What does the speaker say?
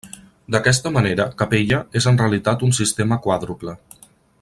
D'aquesta manera Capella és en realitat un sistema quàdruple.